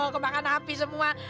kebakan habis semua